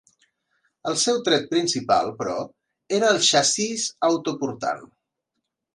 El seu tret principal, però, era el xassís autoportant.